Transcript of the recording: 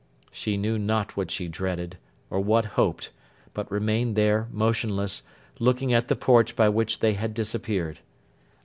She knew not what she dreaded, or what hoped; but remained there, motionless, looking at the porch by which they had disappeared.